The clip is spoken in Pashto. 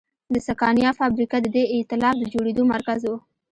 د سکانیا فابریکه د دې اېتلاف د جوړېدو مرکز و.